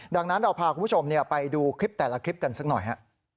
ดังนั้นเราพาคุณผู้ชมไปดูคลิปแต่ละคลิปกันสักหน่อยฮะ